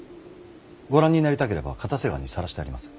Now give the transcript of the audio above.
ご覧になりたければ固瀬川にさらしてあります。